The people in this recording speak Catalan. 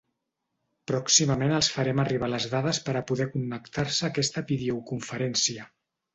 Pròximament els farem arribar les dades per a poder connectar-se a aquesta videoconferència.